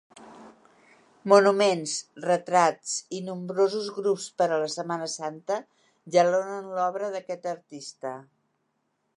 Monuments, retrats i nombrosos grups per a la Setmana Santa jalonen l'obra d'aquest artista.